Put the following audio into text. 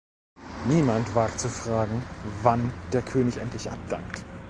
Niemand wagt zu fragen, wann der König endlich abdankt.